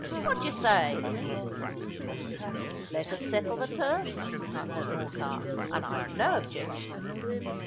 What do you say?" "Let us settle the terms," answered Morcar; "and I've no objection."